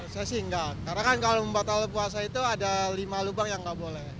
saya sih enggak karena kan kalau membatalkan puasa itu ada lima lubang yang nggak boleh